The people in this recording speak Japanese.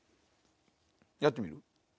やってみる？